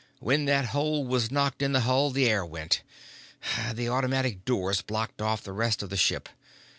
"When that hole was knocked in the hull, the air went. The automatic doors blocked off the rest of the ship.